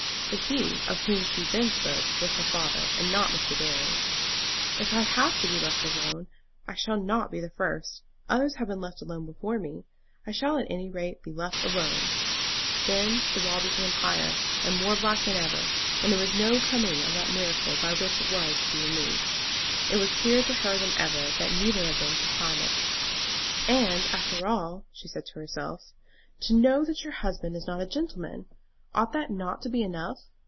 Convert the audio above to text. The "he" of whom she then spoke was her father, and not Mr. Barry. "If I have to be left alone, I shall not be the first. Others have been left alone before me. I shall at any rate be left alone." Then the wall became higher and more black than ever, and there was no coming of that miracle by which it was to be removed. It was clearer to her than ever that neither of them could climb it. "And, after all," she said to herself, "to know that your husband is not a gentleman! Ought that not to be enough?